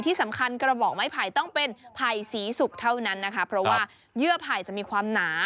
ที่สำคัญกระบอกไม้ไผ่ต้องเป็นไผ่สีสุกเท่านั้นนะคะเพราะว่าเยื่อไผ่จะมีความหนา